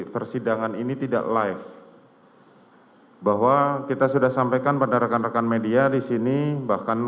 persidangan ini tidak live bahwa kita sudah sampaikan pada rekan rekan media disini bahkan